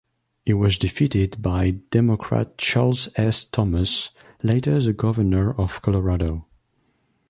He was defeated by Democrat Charles S. Thomas, later the governor of Colorado.